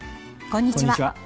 こんにちは。